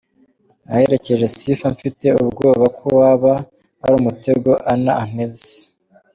Naherekeje Sifa mfite ubwoba ko waba ari umutego Anna anteze.